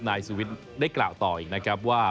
นายสุวิทย์ได้กล่าวต่ออีกนะครับว่า